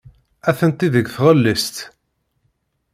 Atenti deg tɣellist.